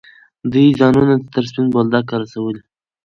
دوی ځانونه تر سپین بولدکه رسولي.